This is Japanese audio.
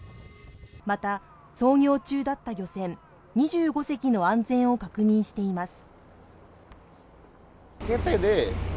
また操業中だった漁船２５隻の安全を確認しています